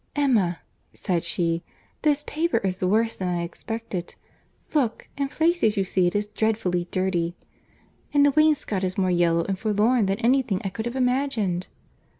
"Emma," said she, "this paper is worse than I expected. Look! in places you see it is dreadfully dirty; and the wainscot is more yellow and forlorn than any thing I could have imagined."